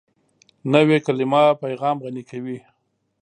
نوې کلیمه پیغام غني کوي